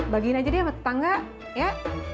bagiin aja deh sama tetangga ya